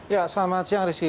ya selamat siang rizky